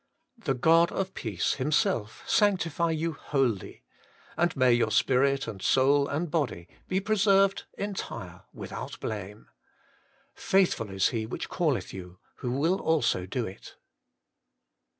' The God of peace Himself sanctify you wholly ; and may your spirit, and soul, and body, be preserved entire, without blame. Faithful is He which calleth you, who will also do ft.'